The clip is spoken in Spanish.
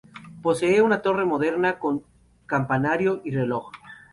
Posee una torre moderna con campanario y reloj.